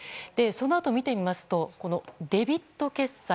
そのあとを見てみますとデビット決済